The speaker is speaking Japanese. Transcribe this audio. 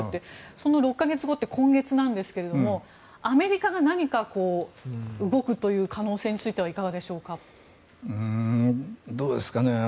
その６か月後って今月なんですけどアメリカが何か動くという可能性についてはいかがでしょうか。